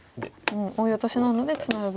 もうオイオトシなのでツナぐ。